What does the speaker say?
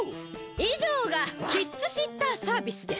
いじょうがキッズシッターサービスです。